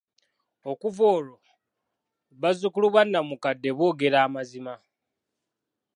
Okuva olwo bazukulu banamukadde boogera amazima.